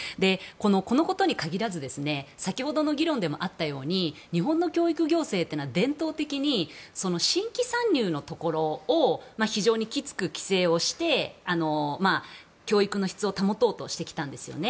このことに限らず先ほどの議論でもあったように日本の教育行政というのは伝統的に新規参入のところを非常にきつく規制をして教育の質を保とうとしてきたんですよね。